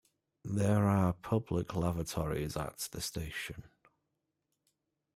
There are public lavatories at the station.